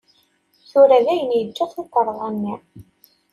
Tura dayen yeǧǧa tukerḍa-nni.